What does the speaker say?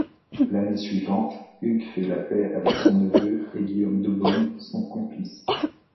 L'année suivante Hugues fait la paix avec son neveu et Guillaume d'Aubonne, son complice.